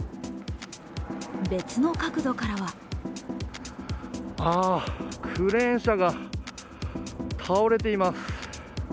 別の角度からはあ、クレーン車が倒れています。